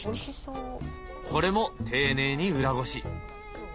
これも丁寧に裏ごし。